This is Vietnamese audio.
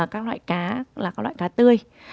các loại cá là các loại cá tươi